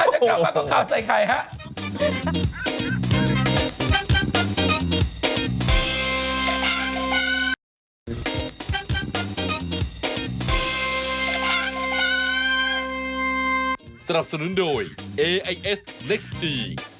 อาจจะกลับมาก่อนข่าวใส่ใครฮะ